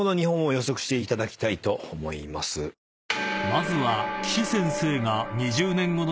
［まずは］